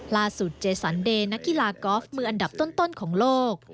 เจสันเดย์นักกีฬากอล์ฟมืออันดับต้นของโลก